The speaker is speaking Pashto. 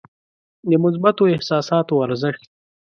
د مثبتو احساساتو ارزښت.